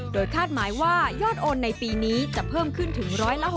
โดยคาดหมายว่ายอดโอนในปีนี้จะเพิ่มขึ้นถึง๑๖๐